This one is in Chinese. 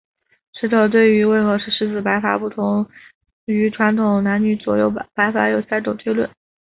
学者对于为何石狮子摆法不同于传统男左女右的摆法有三种推论。